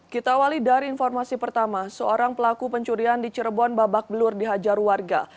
kita awali dari informasi pertama seorang pelaku pencurian di cirebon babak belur dihajar warga